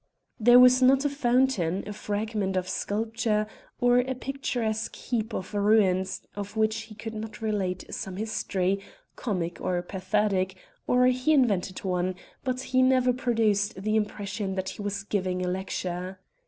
There was not a fountain, a fragment of sculpture, or a picturesque heap of ruins of which he could not relate some history, comic or pathetic, or he invented one; but he never produced the impression that he was giving a lecture.